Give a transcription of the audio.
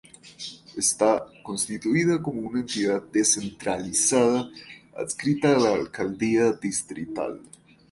Está constituida como una entidad descentralizada adscrita a la Alcaldía Distrital.